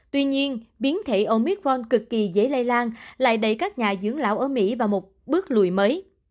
tuy nhiên biến thể omithron cực kỳ dễ lây lan lại đẩy các nhà dưỡng lão ở mỹ vào một bước lùi mới